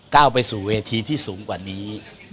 ก้าวไปสู่เวทีที่สูงกว่านี้